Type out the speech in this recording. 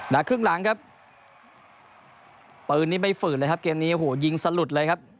ครึ่งหลังครับปืนนี้ไม่ฝืนเลยครับเกมนี้โอ้โหยิงสลุดเลยครับ